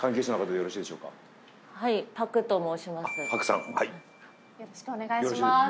よろしくお願いします。